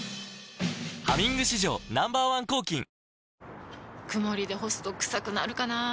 「ハミング」史上Ｎｏ．１抗菌曇りで干すとクサくなるかなぁ。